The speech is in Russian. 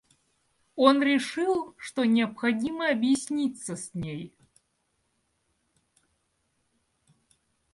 Он решил, что необходимо объясниться с ней.